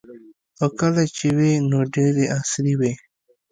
خو کله چې وې نو ډیرې عصري وې